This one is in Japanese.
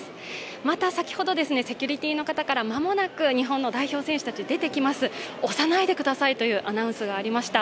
また先ほど、セキュリティーの方から、間もなく日本の代表選手たち、出てきます、押さないでくださいというアナウンスがありました。